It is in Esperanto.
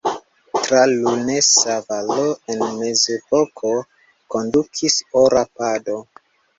Tra Lusena valo en mezepoko kondukis Ora pado.